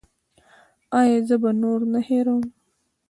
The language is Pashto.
ایا زه به نور نه هیروم؟